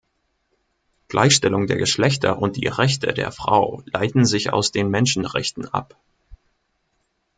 Gleichstellung der Geschlechter und die Rechte der Frau leiten sich aus den Menschenrechten ab.